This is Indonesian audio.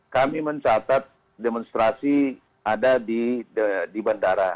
kami mencatat demonstrasi ada di bandara